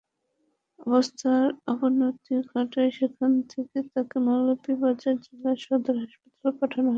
অবস্থার অবনতি ঘটায় সেখান থেকে তাকে মৌলভীবাজার জেলা সদর হাসপাতালে পাঠানো হয়।